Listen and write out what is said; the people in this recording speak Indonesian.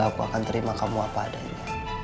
aku akan terima kamu apa adanya